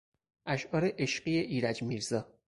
اشعار عشقی ایرج میرزا